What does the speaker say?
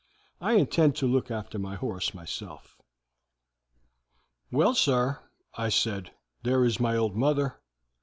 I intend to look after my horse myself.' "'Well, sir,' I said, 'there is my old mother.